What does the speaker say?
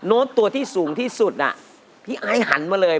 ตัวที่สูงที่สุดอ่ะพี่ไอ้หันมาเลย